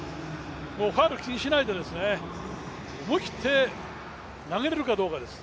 ファウル気にしないで、思い切って投げれるかどうかです。